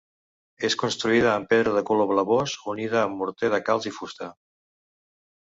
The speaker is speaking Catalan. És construïda amb pedra de color blavós unida amb morter de calç i fusta.